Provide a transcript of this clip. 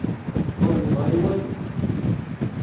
Ur yeḍṛi walu.